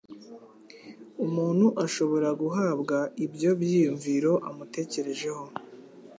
Umuntu ashobora guhabwa ibyo byiyumviro amutekerejeho,